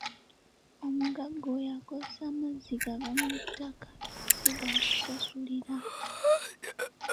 Omugagga oyo akozesa mazzi gava mu ttaka si gaakusasulira.